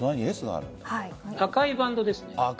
赤いバンドです。